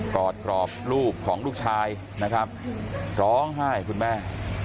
อดกรอบลูกของลูกชายนะครับร้องไห้คุณแม่